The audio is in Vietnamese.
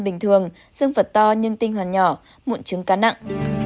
bình thường dương phật to nhưng tinh hoàn nhỏ mụn trứng cá nặng